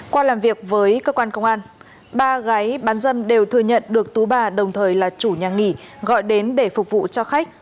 qua làm việc với cơ quan công an ba gái bán dâm đều thừa nhận được tú bà đồng thời là chủ nhà nghỉ gọi đến để phục vụ cho khách